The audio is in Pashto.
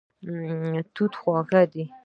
توت خواږه دی.